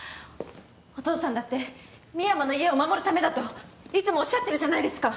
お父さんだって深山の家を守るためだといつもおっしゃってるじゃないですか。